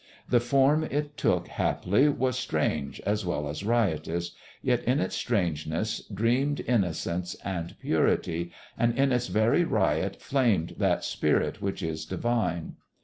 The form it took, haply, was strange as well as riotous, yet in its strangeness dreamed innocence and purity, and in its very riot flamed that spirit which is divine.